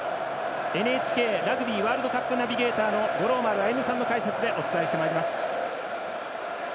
ＮＨＫラグビーワールドカップナビゲーターの五郎丸歩さんの解説でお伝えしてまいります。